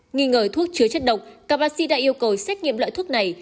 nghĩ ngờ thuốc chứa chất độc các bác sĩ đã yêu cầu xét nghiệm loại thuốc này